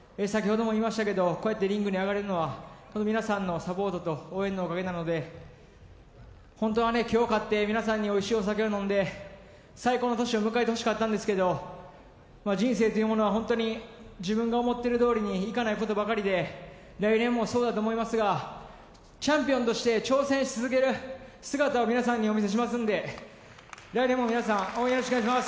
こうやってリングに上がれるのは皆さんのサポートと応援のおかげなので、本当は今日勝って皆さんにおいしいお酒を飲んで最高の年を迎えてほしかったんですけど人生というものは本当に自分が思っているどおりにいかないことばかりで来年もそうだと思いますがチャンピオンとして挑戦し続ける姿を皆さんにお見せしますので来年も皆さん応援よろしくお願いします。